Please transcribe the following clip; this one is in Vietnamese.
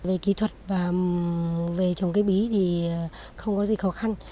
về kỹ thuật và về trồng cây bí thì không có gì khó khăn